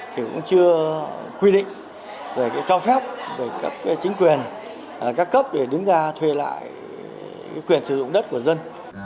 thì cũng chưa quy định về cho phép về các chính quyền các cấp để đứng ra thuê lại quyền sử dụng đất của dân